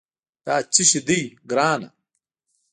دا څه شي دي، ګرانه؟